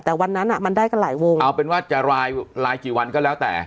แต่วันนั้นอ่ะมันได้กันหลายวงเอาเป็นว่าจะรายกี่วันก็แล้วแต่